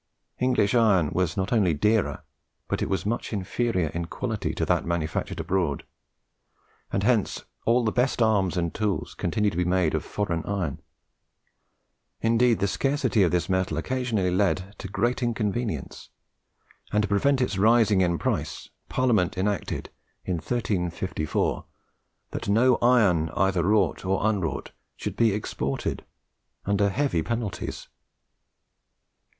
English iron was not only dearer, but it was much inferior in quality to that manufactured abroad; and hence all the best arms and tools continued to be made of foreign iron. Indeed the scarcity of this metal occasionally led to great inconvenience, and to prevent its rising in price Parliament enacted, in 1354, that no iron, either wrought or unwrought, should be exported, under heavy penalties.